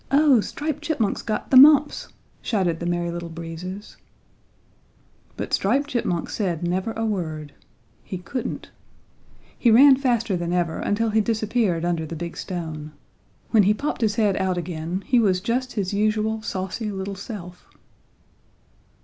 "Oh, Striped Chipmunk's got the mumps!" shouted the Merry Little Breezes. But Striped Chipmunk said never a word. He couldn't. He ran faster than ever until he disappeared under the big stone. When he popped his head out again he was just his usual saucy little self.